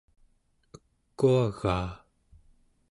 ekuagaa